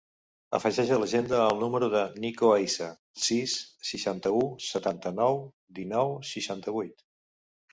Afegeix a l'agenda el número del Niko Aisa: sis, seixanta-u, setanta-nou, dinou, seixanta-vuit.